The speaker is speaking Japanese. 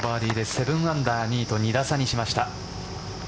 ７アンダー２位と２打差にしました。